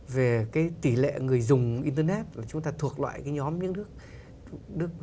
về cái tỷ lệ người dùng internet và chúng ta thuộc loại cái nhóm những nước